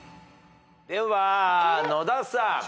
では野田さん。